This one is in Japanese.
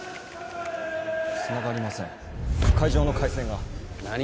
つながりません会場の回線が何？